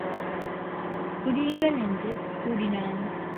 குடியுங்கள் என்று கூறினான்.